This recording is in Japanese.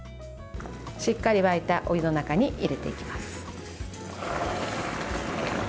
しっかり沸いたお湯の中に入れていきます。